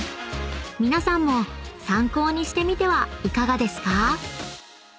［皆さんも参考にしてみてはいかがですか？］